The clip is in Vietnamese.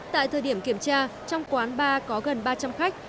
tại thời điểm kiểm tra trong quán bar có gần ba trăm linh khách